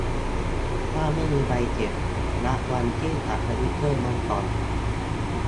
ถ้าไม่มีใบเสร็จ นับวันที่จากสติ๊กเกอร์บนกล่อง